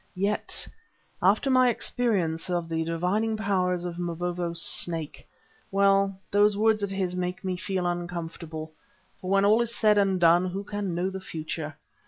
Yet, after my experience of the divining powers of Mavovo's "Snake" well, those words of his make me feel uncomfortable. For when all is said and done, who can know the future?